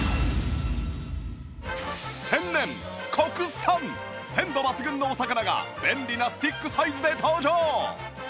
その鮮度抜群のお魚が便利なスティックサイズで登場！